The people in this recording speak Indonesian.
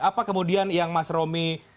apa kemudian yang mas romi